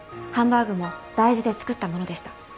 ハンバーグも大豆で作ったものでした。